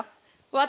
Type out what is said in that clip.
私？